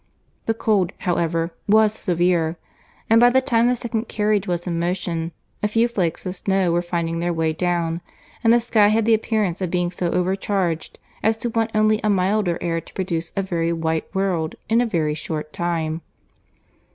The cold, however, was severe; and by the time the second carriage was in motion, a few flakes of snow were finding their way down, and the sky had the appearance of being so overcharged as to want only a milder air to produce a very white world in a very short time.